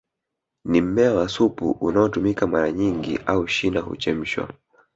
Ni mmea wa supu unaotumika mara nyingi au shina huchemshwa